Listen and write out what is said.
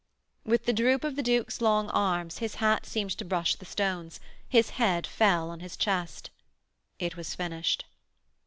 With the droop of the Duke's long arms his hat seemed to brush the stones, his head fell on his chest. It was finished.